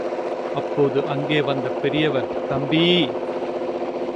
அப்போது அங்கே வந்த பெரியவர், தம்பீ!